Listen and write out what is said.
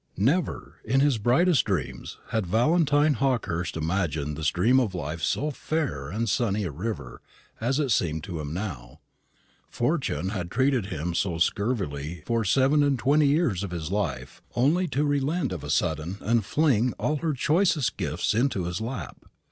Never, in his brightest dreams, had Valentine Hawkehurst imagined the stream of life so fair and sunny a river as it seemed to him now. Fortune had treated him so scurvily for seven and twenty years of his life, only to relent of a sudden and fling all her choicest gifts into his lap.